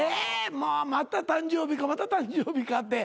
もうまた誕生日かまた誕生日かって。